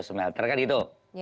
semelter kan itu